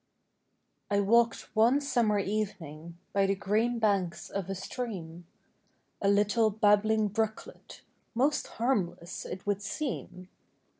I walked one summer evening By the green banks of a stream— A little babbling brooklet, Most harmless, it would seem.